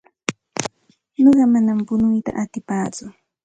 Nuqa manam punuyta atipaatsu.